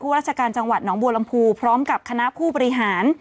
ผู้ราชการหนกบัวลำพูพร้อมกับคณะผู้บริหาร